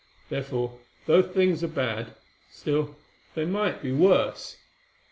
Therefore, though things are bad, still they might be worse."